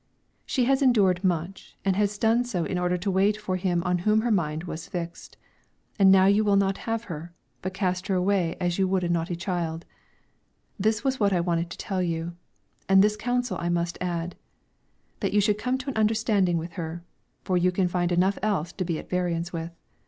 She has endured much, and has done so in order to wait for him on whom her mind was fixed. And now you will not have her, but cast her away as you would a naughty child. This was what I wanted to tell you. And this counsel I must add, that you should come to an understanding with her, for you can find enough else to be at variance with.